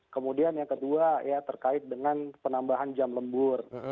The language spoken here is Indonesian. kemudian yang kedua ya terkait dengan penambahan jam lembur